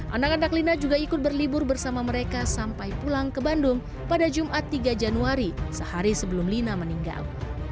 anak anak lina juga ikut berlibur bersama mereka sampai pulang ke bandung pada jumat tiga januari sehari sebelum lina meninggal